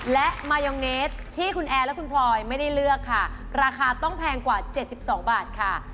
และมายองเนสที่คุณแอร์และคุณพลอยไม่ได้เลือกค่ะราคาต้องแพงกว่า๗๒บาทค่ะ